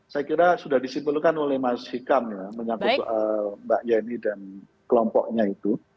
saya kira sudah disimpulkan oleh mas hikam ya menyangkut soal mbak yeni dan kelompoknya itu